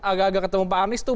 agak agak ketemu pak anies tuh